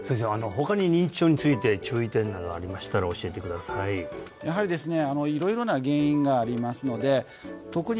他に認知症について注意点などありましたら教えてくださいやはりですね